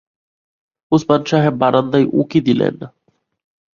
ওসমান সাহেব বারান্দায় উঁকি দিলেন।